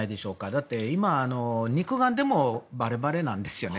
だって今、肉眼でもバレバレなんですよね